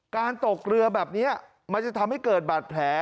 การตกเรือแบบนี้มันจะทำให้เกิดบาดแผล